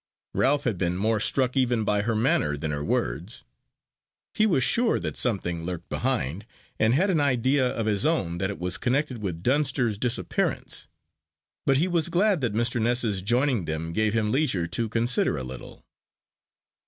Ralph had been more struck even by her manner than her words. He was sure that something lurked behind, and had an idea of his own that it was connected with Dunster's disappearance. But he was glad that Mr. Ness's joining them gave him leisure to consider a little.